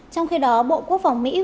trong khi đó bộ quốc phòng mỹ